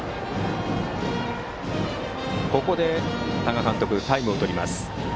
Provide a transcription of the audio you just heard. ここで多賀監督タイムをとりました。